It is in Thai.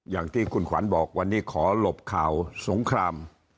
อย่างที่คุณขวัญบอกวันนี้ขอหลบข่าวสงคราม